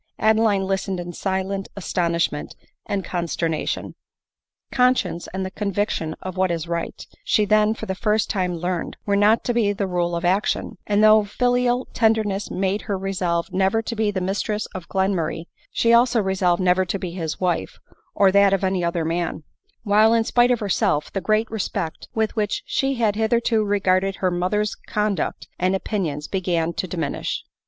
Adeline listened in silent astonishment and consterna tion. Conscience, and the conviction of what is right, she then for the first time learned, were not to be the rule of action ; and though filial tenderness made her resolve never to be the mistress of Glenmurray, she also resolved never to be his wife, or that of any other man ; while, in spite of herself, the great respect with which she had hitherto regarded her mother's conduct and opinions began to diminish.